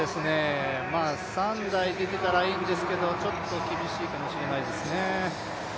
まあ３台が出てたらいいんですけどちょっと厳しいかもしれないですね。